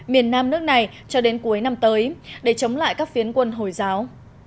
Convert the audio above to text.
miền nam nước này cho đến cuối năm tới để chống lại các phiến quân hồi giáo